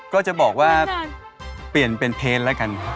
ก็จะบอกว่าเปลี่ยนเป็นเพนต์แล้วกัน